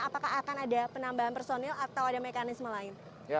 apakah akan ada penambahan personil atau ada mekanisme lain